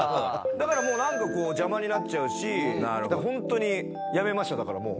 だからもうなんか邪魔になっちゃうしだからホントにやめましただからもう。